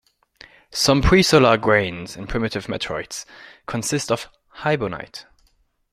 Some presolar grains in primitive meteorites consist of hibonite.